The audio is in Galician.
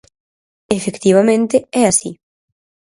Efectivamente é así.